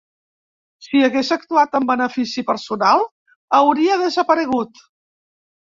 Si hagués actuat en benefici personal, hauria desaparegut.